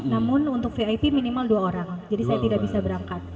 namun untuk vip minimal dua orang jadi saya tidak bisa berangkat